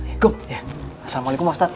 assalamualaikum pak ustadz